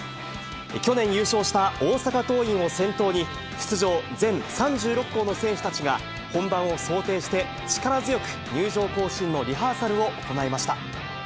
去年優勝した大阪桐蔭を先頭に、出場全３６校の選手たちが、本番を想定して力強く入場行進のリハーサルを行いました。